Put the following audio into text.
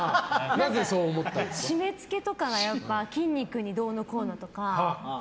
締め付けとかが筋肉にどうのこうのとか。